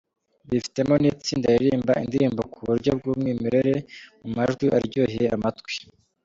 Bifitemo n'itsinda ririmba indirimbo kuburyo bw'umwimerere, mu majwi aryoheye amatwi.